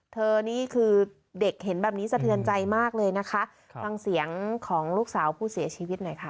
นี่คือเด็กเห็นแบบนี้สะเทือนใจมากเลยนะคะฟังเสียงของลูกสาวผู้เสียชีวิตหน่อยค่ะ